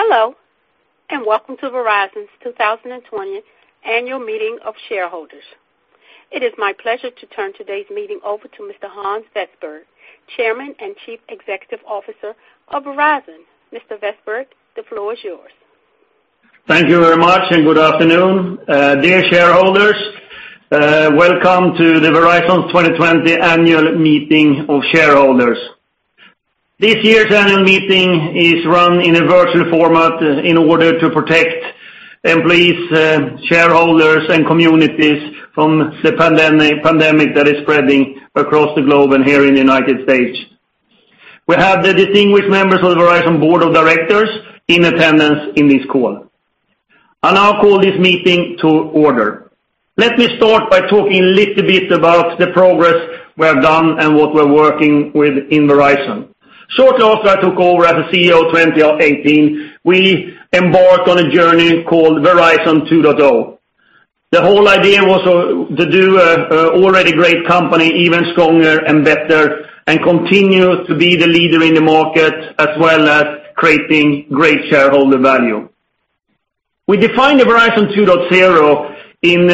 Hello, and welcome to Verizon's 2020 Annual Meeting of Shareholders. It is my pleasure to turn today's meeting over to Mr. Hans Vestberg, Chairman and Chief Executive Officer of Verizon. Mr. Vestberg, the floor is yours. Thank you very much and good afternoon. Dear shareholders, welcome to the Verizon 2020 Annual Meeting of Shareholders. This year's annual meeting is run in a virtual format in order to protect employees, shareholders, and communities from the pandemic that is spreading across the globe and here in the U.S. We have the distinguished members of the Verizon Board of Directors in attendance on this call. I now call this meeting to order. Let me start by talking a little bit about the progress we have done and what we're working with in Verizon. Shortly after I took over as the CEO in 2018, we embarked on a journey called Verizon 2.0. The whole idea was to do an already great company even stronger and better, and continue to be the leader in the market, as well as creating great shareholder value. We defined the Verizon 2.0 in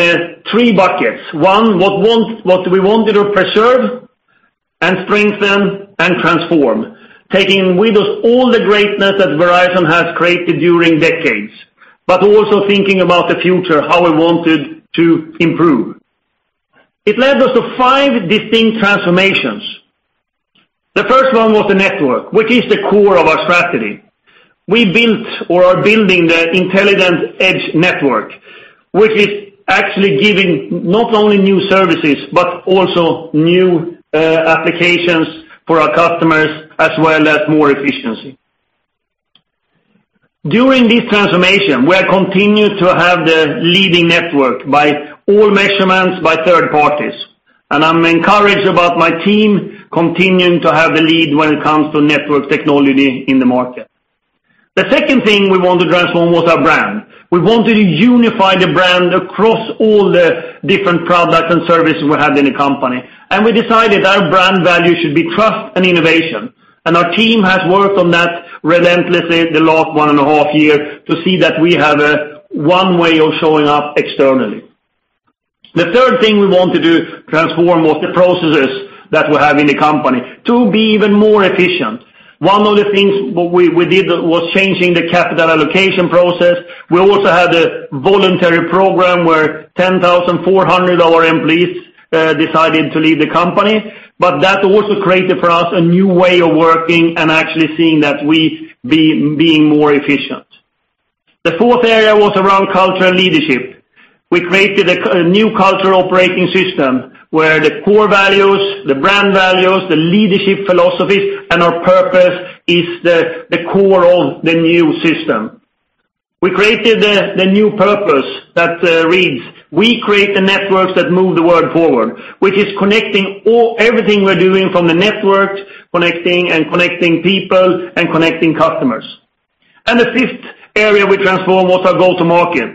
three buckets. One, what we wanted to preserve and strengthen and transform, taking with us all the greatness that Verizon has created during decades, but also thinking about the future, how we wanted to improve. It led us to five distinct transformations. The first one was the network, which is the core of our strategy. We built or are building the Intelligent Edge Network, which is actually giving not only new services, but also new applications for our customers, as well as more efficiency. During this transformation, we have continued to have the leading network by all measurements by third parties, and I'm encouraged about my team continuing to have the lead when it comes to network technology in the market. The second thing we want to transform was our brand. We wanted to unify the brand across all the different products and services we have in the company, and we decided our brand value should be trust and innovation. Our team has worked on that relentlessly the last one and a half years to see that we have one way of showing up externally. The third thing we want to do to transform was the processes that we have in the company to be even more efficient. One of the things we did was changing the capital allocation process. We also had a voluntary program where 10,400 of our employees decided to leave the company, but that also created for us a new way of working and actually seeing that we are being more efficient. The fourth area was around culture and leadership. We created a new cultural operating system where the core values, the brand values, the leadership philosophies, and our purpose is the core of the new system. We created the new purpose that reads, "We create the networks that move the world forward," which is connecting everything we're doing from the network, connecting and connecting people, and connecting customers. The fifth area we transformed was our go-to-market.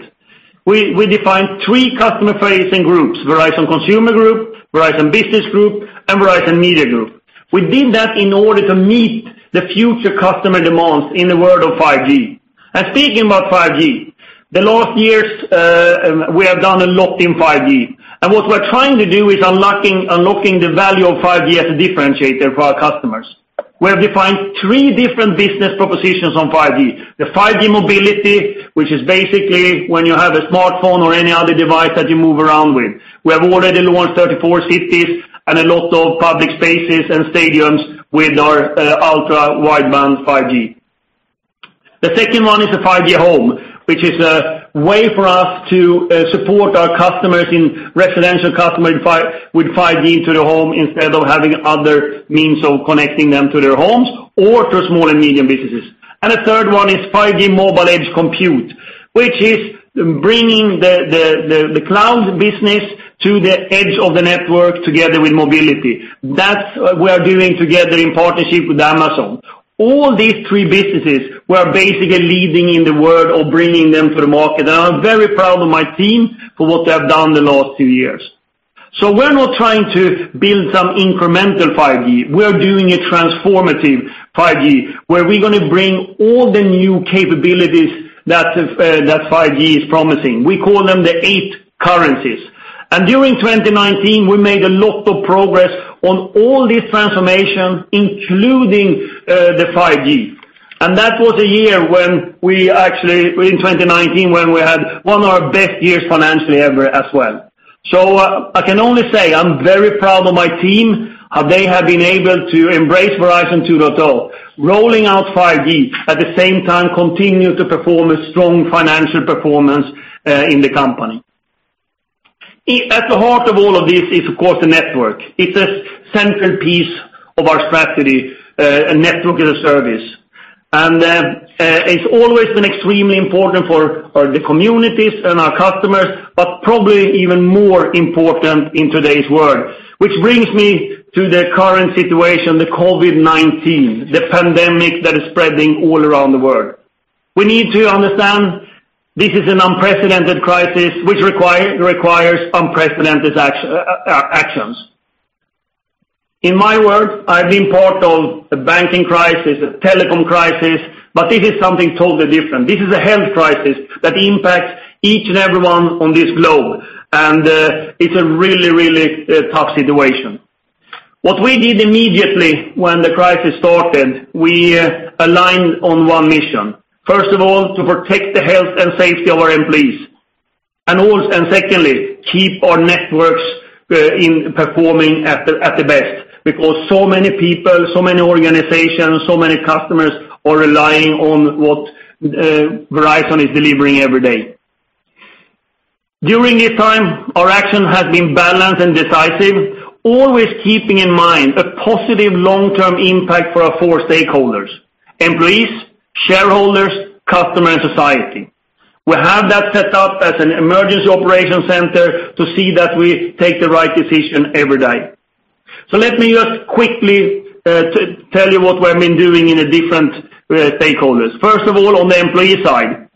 We defined three customer-facing groups, Verizon Consumer Group, Verizon Business Group, and Verizon Media Group. We did that in order to meet the future customer demands in the world of 5G. Speaking about 5G, the last years, we have done a lot in 5G. What we're trying to do is unlocking the value of 5G as a differentiator for our customers. We have defined three different business propositions on 5G. The 5G mobility, which is basically when you have a smartphone or any other device that you move around with. We have already launched 34 cities and a lot of public spaces and stadiums with our 5G Ultra Wideband. The second one is a 5G Home, which is a way for us to support our customers in residential, customers with 5G into the home instead of having other means of connecting them to their homes or to small and medium businesses. The third one is 5G mobile edge compute, which is bringing the cloud business to the edge of the network together with mobility. That we are doing together in partnership with Amazon. All these three businesses, we are basically leading in the world or bringing them to the market, and I'm very proud of my team for what they have done the last two years. We're not trying to build some incremental 5G, we're doing a transformative 5G, where we're going to bring all the new capabilities that 5G is promising. We call them the eight currencies. During 2019, we made a lot of progress on all these transformations, including the 5G. That was a year when we actually, in 2019, when we had one of our best years financially ever as well. I can only say I'm very proud of my team, how they have been able to embrace Verizon 2.0, rolling out 5G, at the same time, continue to perform a strong financial performance in the company. At the heart of all of this is, of course, the network. It's a central piece of our strategy, a network as a service. It's always been extremely important for the communities and our customers, but probably even more important in today's world, which brings me to the current situation, the COVID-19, the pandemic that is spreading all around the world. We need to understand this is an unprecedented crisis which requires unprecedented actions. In my world, I've been part of a banking crisis, a telecom crisis, but this is something totally different. This is a health crisis that impacts each and everyone on this globe, and it's a really, really tough situation. What we did immediately when the crisis started, we aligned on one mission. First of all, to protect the health and safety of our employees, and secondly, keep our networks performing at the best, because so many people, so many organizations, so many customers are relying on what Verizon is delivering every day. During this time, our action has been balanced and decisive, always keeping in mind a positive long-term impact for our four stakeholders, employees, shareholders, customer, and society. We have that set up as an emergency operation center to see that we take the right decision every day. Let me just quickly tell you what we've been doing in the different stakeholders. First of all, on the employee side,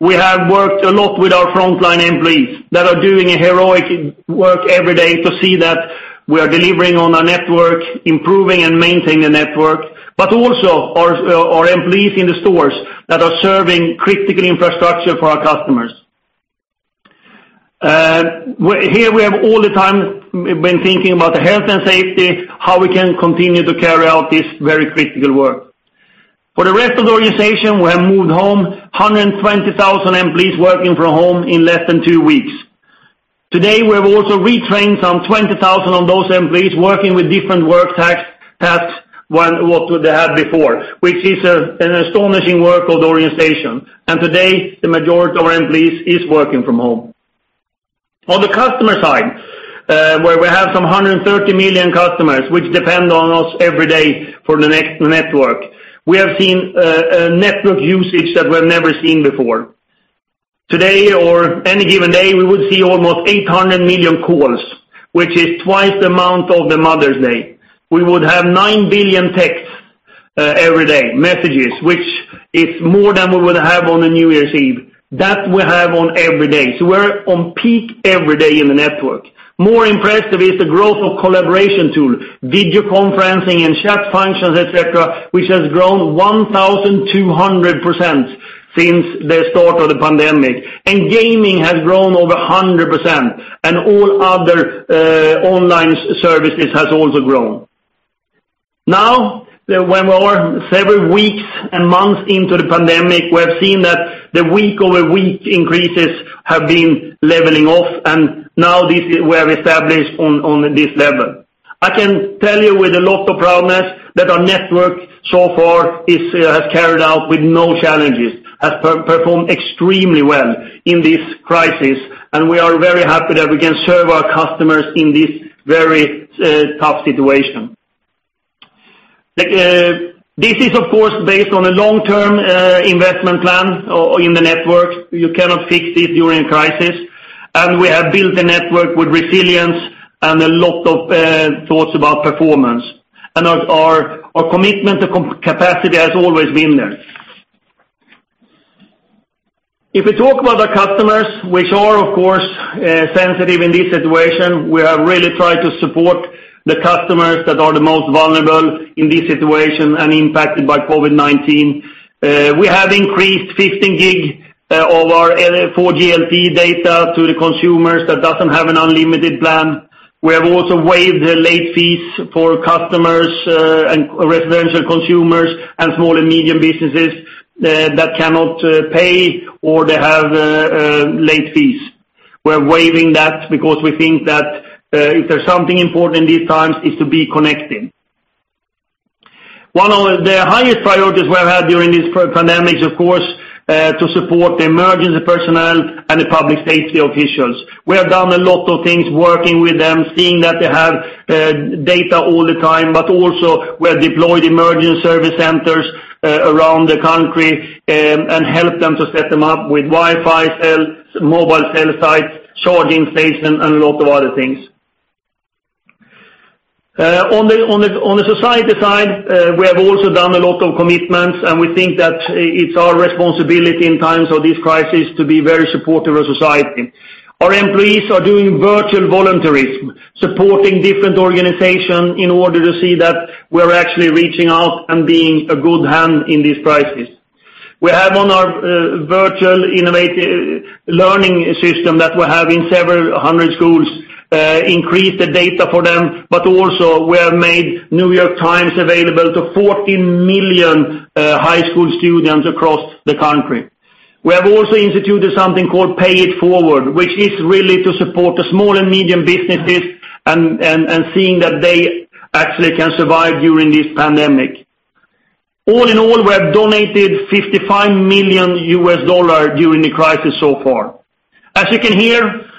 we have worked a lot with our frontline employees that are doing a heroic work every day to see that we are delivering on our network, improving and maintaining the network, but also our employees in the stores that are serving critical infrastructure for our customers. Here we have all the time been thinking about the health and safety, how we can continue to carry out this very critical work. For the rest of the organization, we have moved home 120,000 employees working from home in less than two weeks. Today, we have also retrained some 20,000 of those employees working with different work paths than what they had before, which is an astonishing work of the organization. Today, the majority of our employees is working from home. On the customer side, where we have some 130 million customers, which depend on us every day for the network. We have seen network usage that we've never seen before. Today or any given day, we would see almost 800 million calls, which is twice the amount of the Mother's Day. We would have 9 billion texts every day, messages, which is more than we would have on a New Year's Eve. That we have on every day. We're on peak every day in the network. More impressive is the growth of collaboration tool, video conferencing and chat functions, et cetera, which has grown 1,200% since the start of the pandemic. Gaming has grown over 100%, and all other online services has also grown. Now, when we are several weeks and months into the pandemic, we have seen that the week-over-week increases have been leveling off, and now we are established on this level. I can tell you with a lot of proudness that our network so far has carried out with no challenges, has performed extremely well in this crisis, and we are very happy that we can serve our customers in this very tough situation. This is, of course, based on a long-term investment plan in the network. You cannot fix it during a crisis. We have built a network with resilience and a lot of thoughts about performance. Our commitment to capacity has always been there. If we talk about the customers, which are, of course, sensitive in this situation, we have really tried to support the customers that are the most vulnerable in this situation and impacted by COVID-19. We have increased 15 gig of our 4G LTE data to the consumers that doesn't have an unlimited plan. We have also waived the late fees for customers and residential consumers and small and medium businesses that cannot pay, or they have late fees. We're waiving that because we think that if there's something important in these times is to be connected. One of the highest priorities we have had during this pandemic, of course, to support the emergency personnel and the public safety officials. We have done a lot of things working with them, seeing that they have data all the time, but also we have deployed emergency service centers around the country and helped them to set them up with Wi-Fi cells, mobile cell sites, charging station, and a lot of other things. On the society side, we have also done a lot of commitments, and we think that it's our responsibility in times of this crisis to be very supportive of society. Our employees are doing virtual volunteerism, supporting different organization in order to see that we're actually reaching out and being a good hand in this crisis. We have on our virtual innovative learning system that we have in several hundred schools, increased the data for them, but also we have made New York Times available to 40 million high school students across the country. We have also instituted something called Pay It Forward, which is really to support the small and medium businesses and seeing that they actually can survive during this pandemic. All in all, we have donated $55 million during the crisis so far. As you can hear,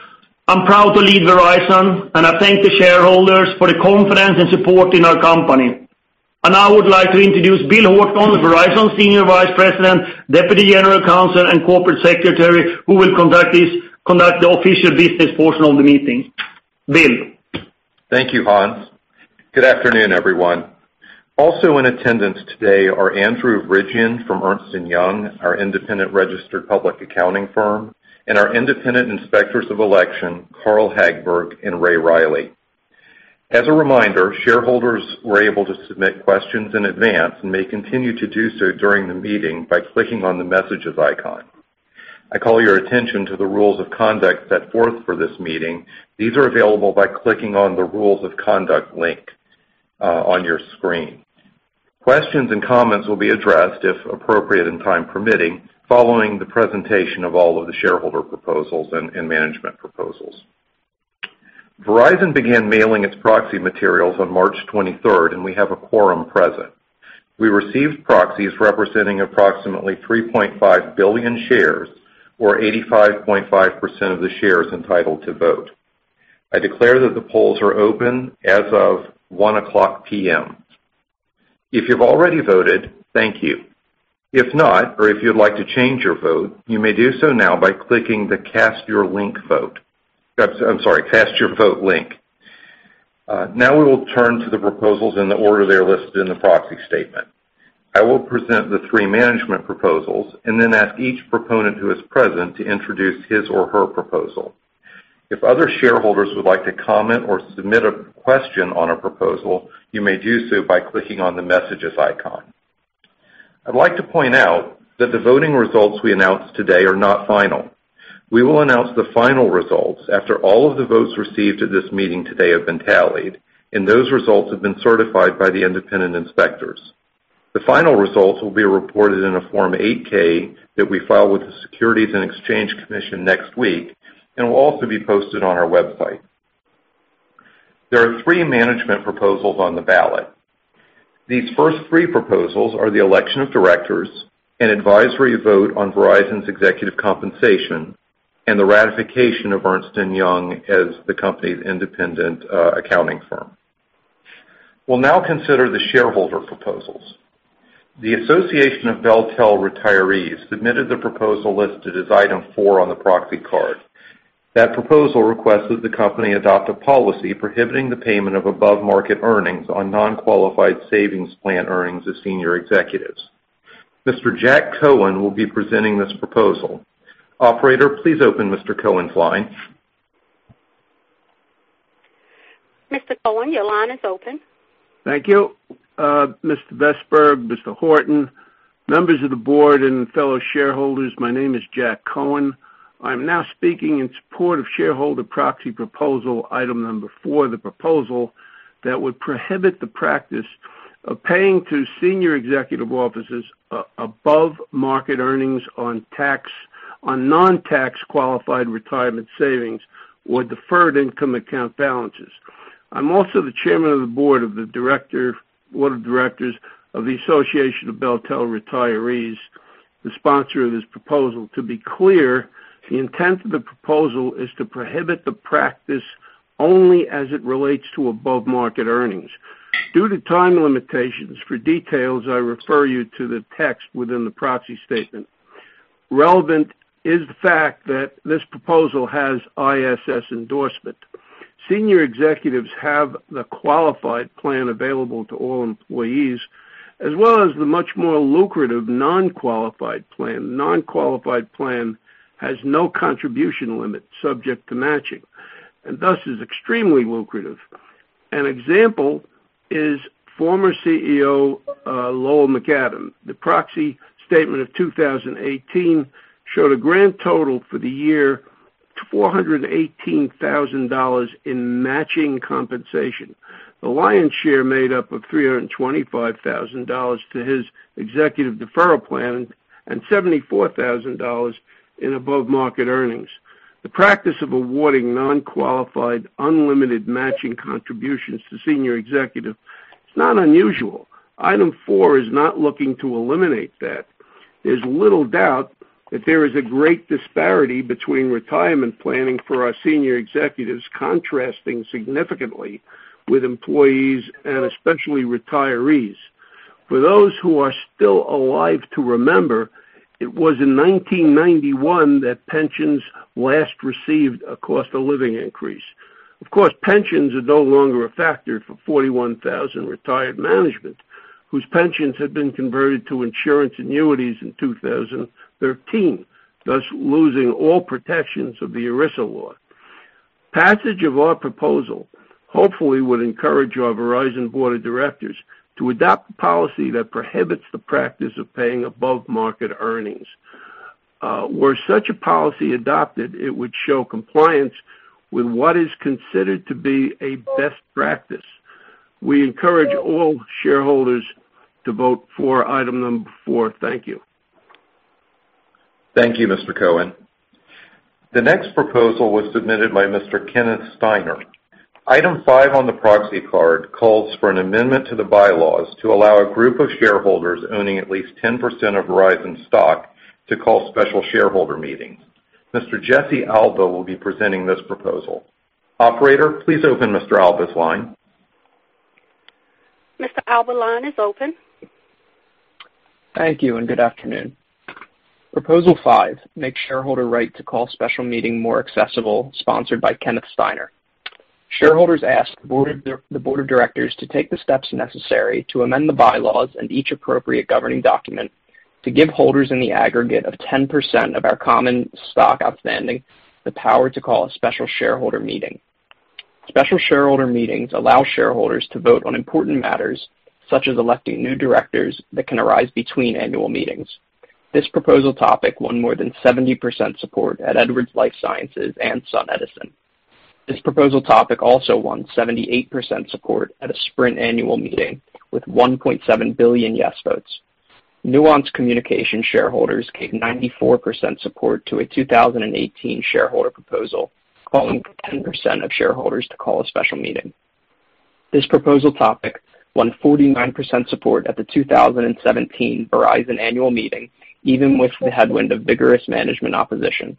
I'm proud to lead Verizon, and I thank the shareholders for the confidence and support in our company. Now I would like to introduce Bill Horton, Verizon Senior Vice President, Deputy General Counsel, and Corporate Secretary, who will conduct the official business portion of the meeting. Bill? Thank you, Hans. Good afternoon, everyone. Also in attendance today are Andrew Ridgeon from Ernst & Young, our independent registered public accounting firm, and our independent inspectors of election, Carl Hagberg and Ray Reilly. As a reminder, shareholders were able to submit questions in advance and may continue to do so during the meeting by clicking on the messages icon. I call your attention to the rules of conduct set forth for this meeting. These are available by clicking on the rules of conduct link on your screen. Questions and comments will be addressed, if appropriate and time permitting, following the presentation of all of the shareholder proposals and management proposals. Verizon began mailing its proxy materials on March 23rd, and we have a quorum present. We received proxies representing approximately 3.5 billion shares, or 85.5% of the shares entitled to vote. I declare that the polls are open as of 1:00 P.M. If you've already voted, thank you. If not, or if you'd like to change your vote, you may do so now by clicking the cast your vote link. Now we will turn to the proposals in the order they are listed in the proxy statement. I will present the three management proposals and then ask each proponent who is present to introduce his or her proposal. If other shareholders would like to comment or submit a question on a proposal, you may do so by clicking on the messages icon. I'd like to point out that the voting results we announce today are not final. We will announce the final results after all of the votes received at this meeting today have been tallied, and those results have been certified by the independent inspectors. The final results will be reported in a Form 8-K that we file with the Securities and Exchange Commission next week and will also be posted on our website. There are three management proposals on the ballot. These first three proposals are the election of directors, an advisory vote on Verizon's executive compensation, and the ratification of Ernst & Young as the company's independent accounting firm. We'll now consider the shareholder proposals. The Association of BellTel Retirees submitted the proposal listed as item four on the proxy card. That proposal requests that the company adopt a policy prohibiting the payment of above-market earnings on non-qualified savings plan earnings of senior executives. Mr. Jack Cohen will be presenting this proposal. Operator, please open Mr. Cohen's line. Mr. Cohen, your line is open. Thank you. Mr. Vestberg, Mr. Horton, members of the board, and fellow shareholders, my name is Jack Cohen. I'm now speaking in support of shareholder proxy proposal item number four, the proposal that would prohibit the practice of paying to senior executive officers above-market earnings on non-tax qualified retirement savings or deferred income account balances. I'm also the Chairman of the Board of Directors of the Association of BellTel Retirees, the sponsor of this proposal. To be clear, the intent of the proposal is to prohibit the practice only as it relates to above-market earnings. Due to time limitations, for details, I refer you to the text within the proxy statement. Relevant is the fact that this proposal has ISS endorsement. Senior executives have the qualified plan available to all employees, as well as the much more lucrative non-qualified plan. Non-qualified plan has no contribution limit subject to matching and thus is extremely lucrative. An example is former CEO Lowell McAdam. The proxy statement of 2018 showed a grand total for the year, $418,000 in matching compensation. The lion's share made up of $325,000 to his executive deferral plan and $74,000 in above-market earnings. The practice of awarding non-qualified, unlimited matching contributions to senior executive is not unusual. Item four is not looking to eliminate that. There's little doubt that there is a great disparity between retirement planning for our senior executives contrasting significantly with employees and especially retirees. For those who are still alive to remember, it was in 1991 that pensions last received a cost of living increase. Of course, pensions are no longer a factor for 41,000 retired management, whose pensions had been converted to insurance annuities in 2013, thus losing all protections of the ERISA law. Passage of our proposal hopefully would encourage our Verizon board of directors to adopt a policy that prohibits the practice of paying above-market earnings. Were such a policy adopted, it would show compliance with what is considered to be a best practice. We encourage all shareholders to vote for item number four. Thank you. Thank you, Mr. Cohen. The next proposal was submitted by Mr. Kenneth Steiner. Item five on the proxy card calls for an amendment to the bylaws to allow a group of shareholders owning at least 10% of Verizon stock to call special shareholder meetings. Mr. Jesse Alba will be presenting this proposal. Operator, please open Mr. Alba's line. Mr. Alba, line is open. Thank you. Good afternoon. Proposal five, make shareholder right to call special meeting more accessible, sponsored by Kenneth Steiner. Shareholders ask the board of directors to take the steps necessary to amend the bylaws and each appropriate governing document to give holders in the aggregate of 10% of our common stock outstanding the power to call a special shareholder meeting. Special shareholder meetings allow shareholders to vote on important matters, such as electing new directors that can arise between annual meetings. This proposal topic won more than 70% support at Edwards Lifesciences and SunEdison. This proposal topic also won 78% support at a Sprint annual meeting with 1.7 billion yes votes. Nuance Communications shareholders gave 94% support to a 2018 shareholder proposal, calling for 10% of shareholders to call a special meeting. This proposal topic won 49% support at the 2017 Verizon annual meeting, even with the headwind of vigorous management opposition.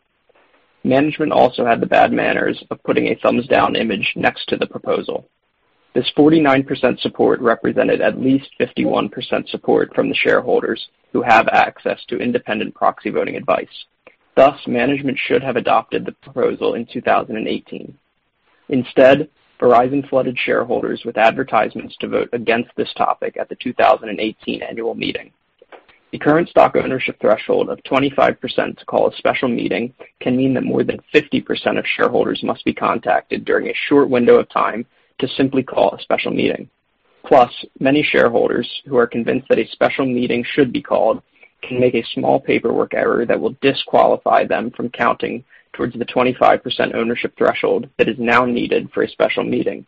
Management also had the bad manners of putting a thumbs down image next to the proposal. This 49% support represented at least 51% support from the shareholders who have access to independent proxy voting advice. Management should have adopted the proposal in 2018. Verizon flooded shareholders with advertisements to vote against this topic at the 2018 annual meeting. The current stock ownership threshold of 25% to call a special meeting can mean that more than 50% of shareholders must be contacted during a short window of time to simply call a special meeting. Many shareholders who are convinced that a special meeting should be called can make a small paperwork error that will disqualify them from counting towards the 25% ownership threshold that is now needed for a special meeting.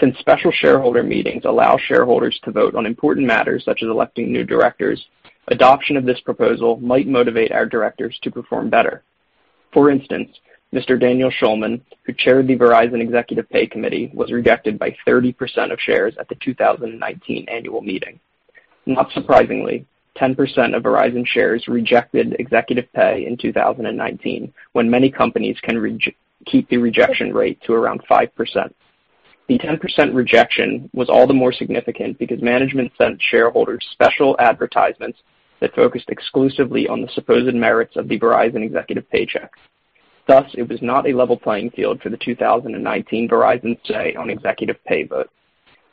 Since special shareholder meetings allow shareholders to vote on important matters such as electing new directors, adoption of this proposal might motivate our directors to perform better. For instance, Mr. Daniel Schulman, who chaired the Verizon Executive Pay Committee, was rejected by 30% of shares at the 2019 annual meeting. Not surprisingly, 10% of Verizon shares rejected executive pay in 2019, when many companies can keep the rejection rate to around 5%. The 10% rejection was all the more significant because management sent shareholders special advertisements that focused exclusively on the supposed merits of the Verizon executive paychecks. It was not a level playing field for the 2019 Verizon say in executive pay vote.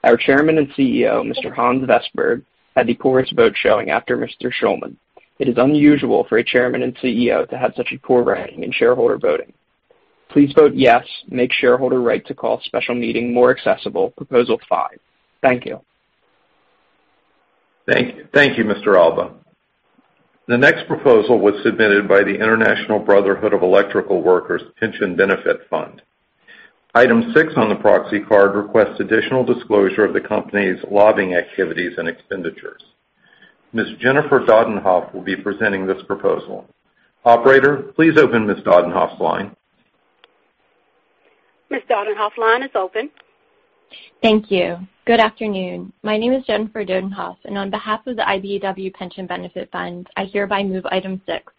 Our Chairman and CEO, Mr. Hans Vestberg, had the poorest vote showing after Mr. Schulman. It is unusual for a Chairman and CEO to have such a poor ranking in shareholder voting. Please vote yes, make shareholder right to call special meeting more accessible, proposal five. Thank you. Thank you, Mr. Alba. The next proposal was submitted by the International Brotherhood of Electrical Workers Pension Benefit Fund. Item six on the proxy card requests additional disclosure of the company's lobbying activities and expenditures. Ms. Jennifer Dodenhof will be presenting this proposal. Operator, please open Ms. Dodenhof's line. Ms. Dodenhof's line is open. Thank you. Good afternoon. My name is Jennifer Dodenhof. On behalf of the IBEW Pension Benefit Fund, I hereby move item six,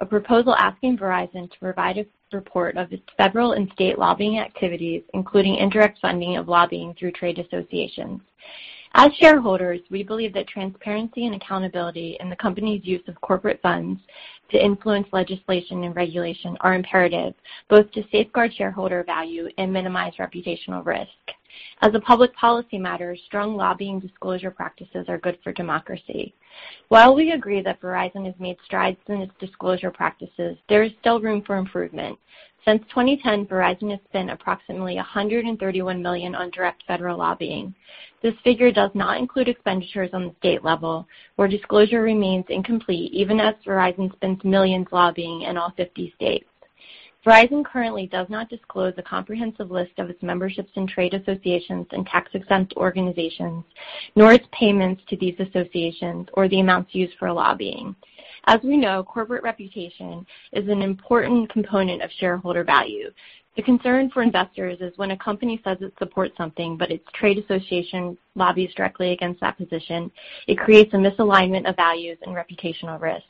a proposal asking Verizon to provide a report of its federal and state lobbying activities, including indirect funding of lobbying through trade associations. As shareholders, we believe that transparency and accountability in the company's use of corporate funds to influence legislation and regulation are imperative, both to safeguard shareholder value and minimize reputational risk. As a public policy matter, strong lobbying disclosure practices are good for democracy. While we agree that Verizon has made strides in its disclosure practices, there is still room for improvement. Since 2010, Verizon has spent approximately $131 million on direct federal lobbying. This figure does not include expenditures on the state level, where disclosure remains incomplete even as Verizon spends millions lobbying in all 50 states. Verizon currently does not disclose a comprehensive list of its memberships in trade associations and tax-exempt organizations, nor its payments to these associations or the amounts used for lobbying. As we know, corporate reputation is an important component of shareholder value. The concern for investors is when a company says it supports something but its trade association lobbies directly against that position, it creates a misalignment of values and reputational risk.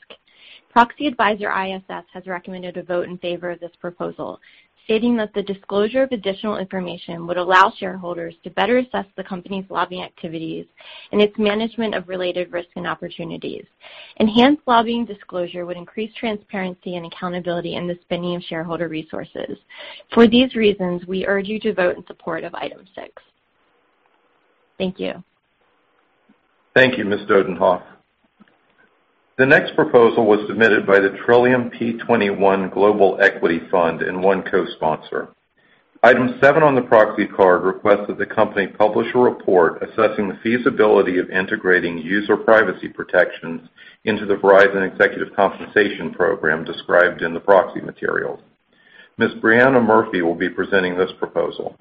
Proxy advisor ISS has recommended a vote in favor of this proposal, stating that the disclosure of additional information would allow shareholders to better assess the company's lobbying activities and its management of related risks and opportunities. Enhanced lobbying disclosure would increase transparency and accountability in the spending of shareholder resources. For these reasons, we urge you to vote in support of item six. Thank you. Thank you, Ms. Dodenhof. The next proposal was submitted by the Trillium P21 Global Equity Fund and one co-sponsor. Item seven on the proxy card requests that the company publish a report assessing the feasibility of integrating user privacy protections into the Verizon executive compensation program described in the proxy materials. Ms. Brianna Murphy will be presenting this proposal.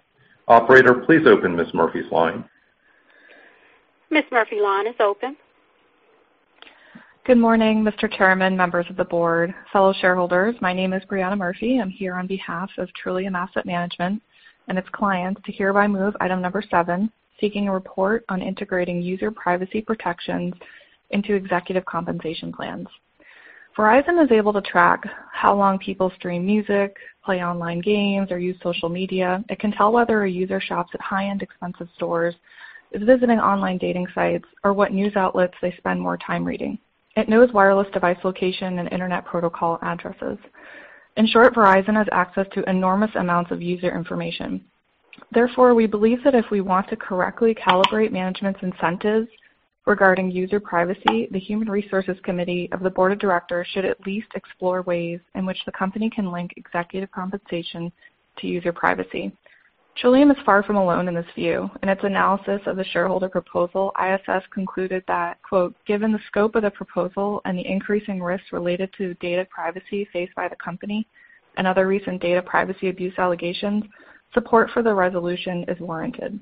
Operator, please open Ms. Murphy's line. Ms. Murphy's line is open. Good morning, Mr. Chairman, members of the board, fellow shareholders. My name is Brianna Murphy. I'm here on behalf of Trillium Asset Management and its clients to hereby move item number seven, seeking a report on integrating user privacy protections into executive compensation plans. Verizon is able to track how long people stream music, play online games, or use social media. It can tell whether a user shops at high-end expensive stores, is visiting online dating sites, or what news outlets they spend more time reading. It knows wireless device location and internet protocol addresses. In short, Verizon has access to enormous amounts of user information. We believe that if we want to correctly calibrate management's incentives regarding user privacy, the Human Resources Committee of the Board of Directors should at least explore ways in which the company can link executive compensation to user privacy. Trillium is far from alone in this view. In its analysis of the shareholder proposal, ISS concluded that, quote, "Given the scope of the proposal and the increasing risks related to data privacy faced by the company and other recent data privacy abuse allegations, support for the resolution is warranted."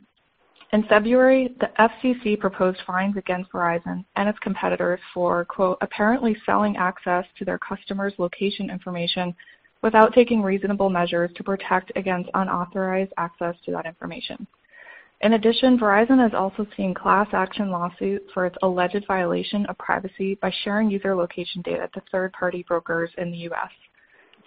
In February, the FCC proposed fines against Verizon and its competitors for, quote, "Apparently selling access to their customers' location information without taking reasonable measures to protect against unauthorized access to that information." In addition, Verizon has also seen class action lawsuit for its alleged violation of privacy by sharing user location data to third-party brokers in the U.S.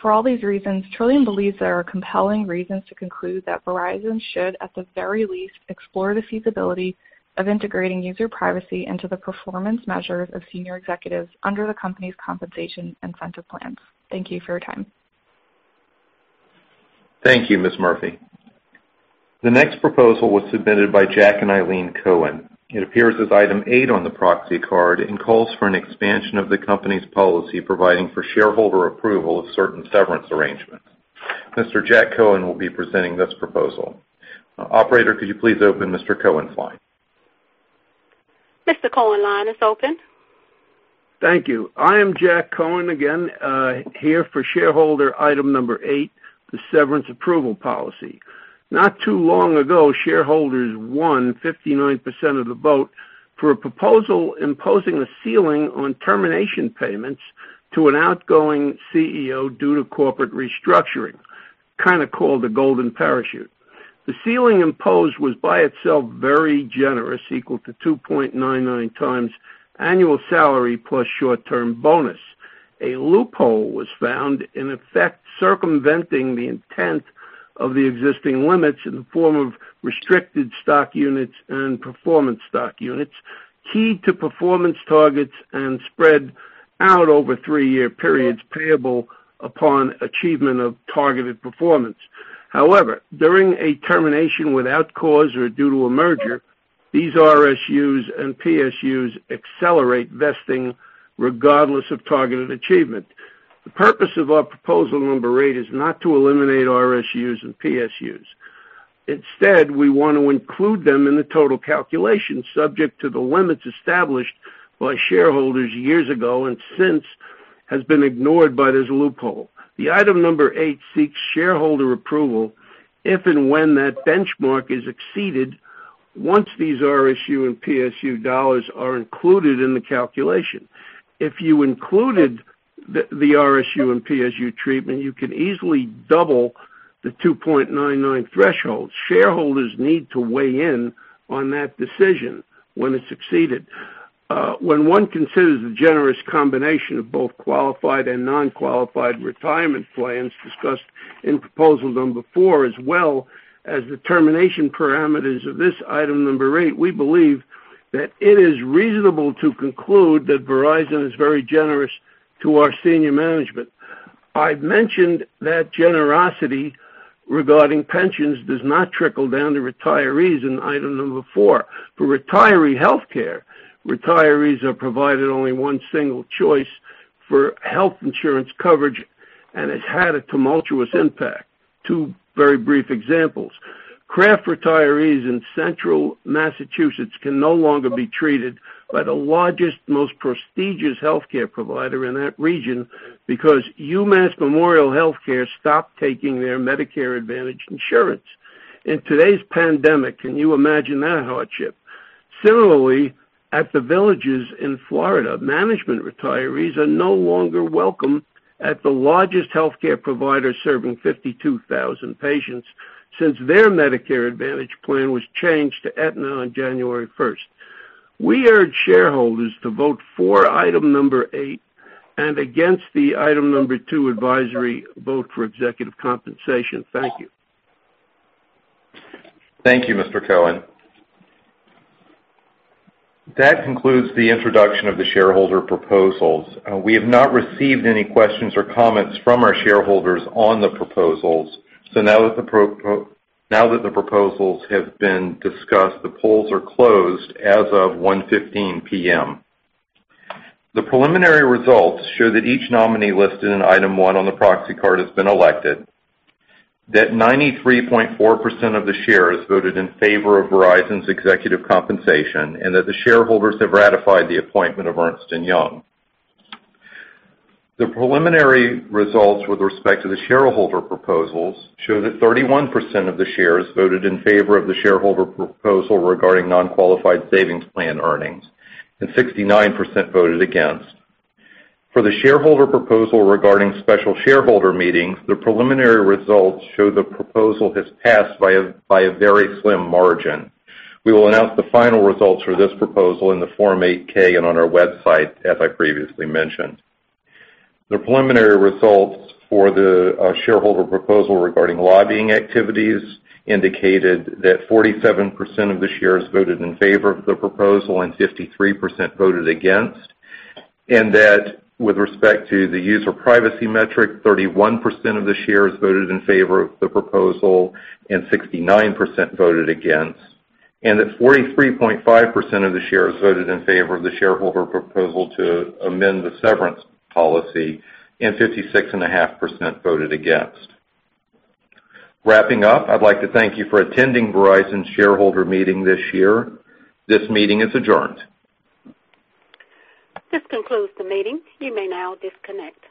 For all these reasons, Trillium believes there are compelling reasons to conclude that Verizon should, at the very least, explore the feasibility of integrating user privacy into the performance measures of senior executives under the company's compensation incentive plans. Thank you for your time. Thank you, Ms. Murphy. The next proposal was submitted by Jack and Ilene Cohen. It appears as item eight on the proxy card and calls for an expansion of the company's policy providing for shareholder approval of certain severance arrangements. Mr. Jack Cohen will be presenting this proposal. Operator, could you please open Mr. Cohen's line? Mr. Cohen line is open. Thank you. I am Jack Cohen again, here for shareholder item number eight, the severance approval policy. Not too long ago, shareholders won 59% of the vote for a proposal imposing a ceiling on termination payments to an outgoing CEO due to corporate restructuring, kinda called the golden parachute. The ceiling imposed was by itself very generous, equal to 2.99 times annual salary plus short-term bonus. A loophole was found, in effect, circumventing the intent of the existing limits in the form of restricted stock units and performance stock units, keyed to performance targets and spread out over three-year periods payable upon achievement of targeted performance. However, during a termination without cause or due to a merger, these RSUs and PSUs accelerate vesting regardless of targeted achievement. The purpose of our proposal number eight is not to eliminate RSUs and PSUs. Instead, we want to include them in the total calculation, subject to the limits established by shareholders years ago and since has been ignored by this loophole. Item number eight seeks shareholder approval if and when that benchmark is exceeded, once these RSU and PSU $ are included in the calculation. If you included the RSU and PSU treatment, you could easily double the 2.99 threshold. Shareholders need to weigh in on that decision when it's exceeded. When one considers the generous combination of both qualified and non-qualified retirement plans discussed in proposal number four as well as the termination parameters of this item number eight, we believe that it is reasonable to conclude that Verizon is very generous to our senior management. I've mentioned that generosity regarding pensions does not trickle down to retirees in item number four. For retiree healthcare, retirees are provided only one single choice for health insurance coverage and has had a tumultuous impact. Two very brief examples. Craft retirees in Central Massachusetts can no longer be treated by the largest, most prestigious healthcare provider in that region because UMass Memorial Health Care stopped taking their Medicare Advantage insurance. In today's pandemic, can you imagine that hardship? Similarly, at The Villages in Florida, management retirees are no longer welcome at the largest healthcare provider serving 52,000 patients since their Medicare Advantage plan was changed to Aetna on January 1st. We urge shareholders to vote for item number eight and against the item number two advisory vote for executive compensation. Thank you. Thank you, Mr. Cohen. That concludes the introduction of the shareholder proposals. We have not received any questions or comments from our shareholders on the proposals, so now that the proposals have been discussed, the polls are closed as of 1:15 P.M. The preliminary results show that each nominee listed in item one on the proxy card has been elected, that 93.4% of the shares voted in favor of Verizon's executive compensation, and that the shareholders have ratified the appointment of Ernst & Young. The preliminary results with respect to the shareholder proposals show that 31% of the shares voted in favor of the shareholder proposal regarding non-qualified savings plan earnings, and 69% voted against. For the shareholder proposal regarding special shareholder meetings, the preliminary results show the proposal has passed by a very slim margin. We will announce the final results for this proposal in the Form 8-K and on our website as I previously mentioned. The preliminary results for the shareholder proposal regarding lobbying activities indicated that 47% of the shares voted in favor of the proposal and 53% voted against, and that with respect to the user privacy metric, 31% of the shares voted in favor of the proposal and 69% voted against, and that 43.5% of the shares voted in favor of the shareholder proposal to amend the severance policy and 56.5% voted against. Wrapping up, I'd like to thank you for attending Verizon's shareholder meeting this year. This meeting is adjourned. This concludes the meeting. You may now disconnect.